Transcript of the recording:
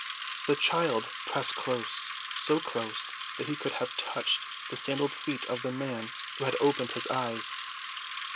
The child pressed close, so close that he could have touched the sandaled feet of the man who had opened his eyes.